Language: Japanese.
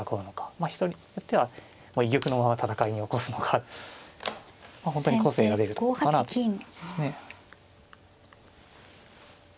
まあ人によっては居玉のまま戦いに起こすのか本当に個性が出るとこかなという感じですね。